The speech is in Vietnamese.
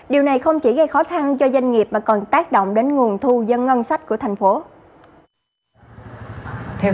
điều này không chỉ gây khó khăn cho doanh nghiệp mà còn tác động đến nguồn thu dân ngân sách của thành phố